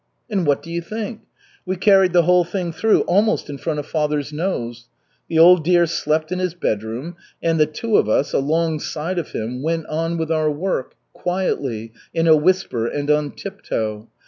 "And what do you think? We carried the whole thing through almost in front of father's nose. The old dear slept in his bedroom, and the two of us, alongside of him, went on with our work, quietly, in a whisper and on tiptoe.